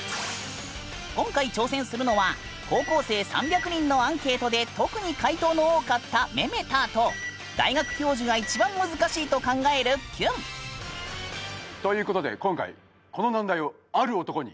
今回挑戦するのは高校生３００人のアンケートで特に回答の多かった「メメタァ」と大学教授が一番難しいと考える「キュン」。ということで今回この難題をある男に依頼しました。